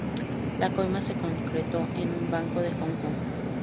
La coima se concretó en un banco de Hong Kong.